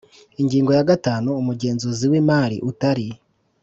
Ingingo ya gatanu Umugenzuzi w imari utari